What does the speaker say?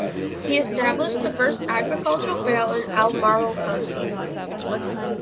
He established the first agricultural fair in Albemarle County.